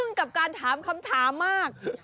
กับการถามคำถามมาก